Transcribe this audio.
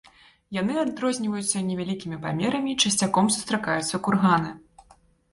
Яны адрозніваюцца невялікімі памерамі, часцяком сустракаюцца курганы.